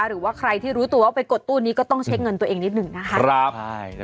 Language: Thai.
หรือว่าใครที่รู้ตัวว่าไปกดตู้นี้ก็ต้องเช็คเงินตัวเองนิดหนึ่งนะคะ